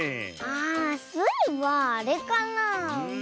あスイはあれかなあ。